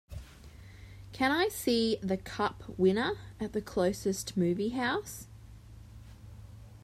Can I see The Cup Winner at the closest movie house